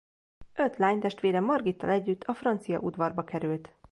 Öt lánytestvére Margittal együtt a francia udvarba került.